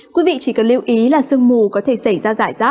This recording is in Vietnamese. quý vị chỉ cần lưu ý là sương mù có thể xảy ra rải rác